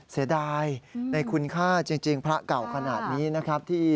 เสียดายในคุณค่าจริงพระเก่าขนาดนี้นะครับ